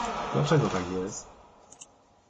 Dlaczego tak jest?